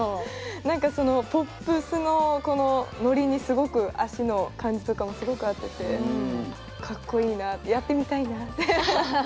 何かそのポップスのこのノリにすごく足の感じとかもすごく合っててかっこいいなあってやってみたいなって。